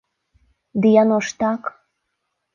Ды яно ж так.